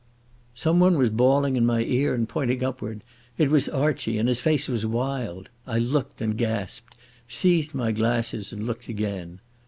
Someone was bawling in my ear, and pointing upward. It was Archie and his face was wild. I looked and gasped—seized my glasses and looked again.